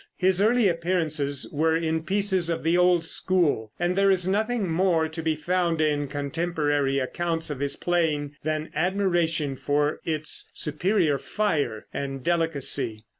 His early appearances were in pieces of the old school, and there is nothing more to be found in contemporary accounts of his playing than admiration for its superior fire and delicacy.